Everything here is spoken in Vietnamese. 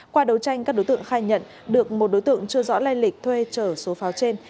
qua đấu tranh các đối tượng khai nhận được một đối tượng chưa rõ lây lịch thuê trở số pháo trên